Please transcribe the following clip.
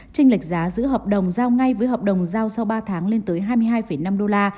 tranh lệch giá giữ hợp đồng giao ngay với hợp đồng giao sau ba tháng lên tới hai mươi hai năm đô la